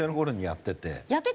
やってた？